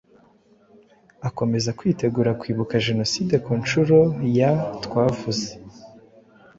akomeza kwitegura kwibuka jenoside ku nshuro ya twavuze